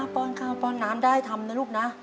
ป้อนข้าวป้อนน้ำได้ทำนะลูกนะ